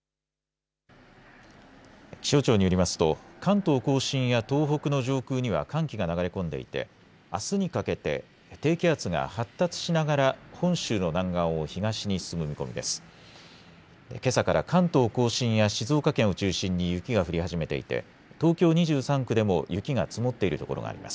気象庁によりますと関東甲信や東北の上空には寒気が流れ込んでいてあすにかけて低気圧が発達しながら本州の南岸を東に進む見込みです。